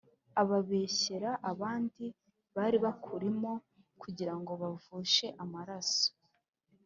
Ababeshyera abandi bari bakurimo kugira ngo bavushe amaraso,